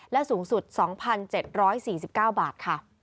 และสูงสุด๒๗๔๙บาทค่ะ